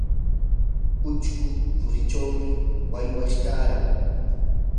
uchku rurinchawmi waywash taaran.